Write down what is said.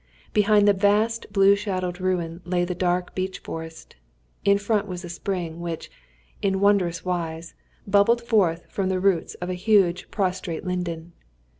Behind the vast blue shadowed ruin lay the dark beech forest; in front was a spring, which, in wondrous wise, bubbled forth from the roots of a huge prostrate linden.